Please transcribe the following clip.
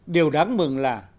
điều đáng mừng là